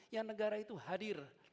yang negara itu hadir